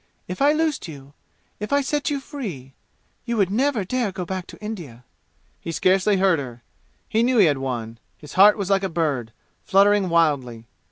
If I loosed you if I set you free you would never dare go back to India!" He scarcely heard her. He knew he had won. His heart was like a bird, fluttering wildly.